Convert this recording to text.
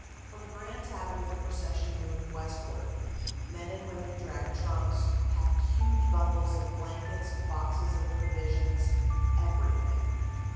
From Grant Avenue the procession moved westward. Men and women dragged trunks, packed huge bundles of blankets, boxes of provisions everything.